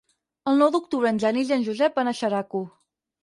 El nou d'octubre en Genís i en Josep van a Xeraco.